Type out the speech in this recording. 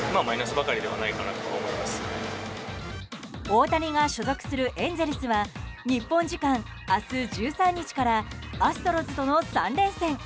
大谷が所属するエンゼルスは日本時間、明日１３日からアストロズとの３連戦。